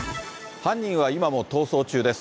犯人は今も逃走中です。